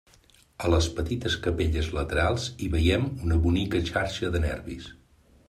A les petites capelles laterals hi veiem una bonica xarxa de nervis.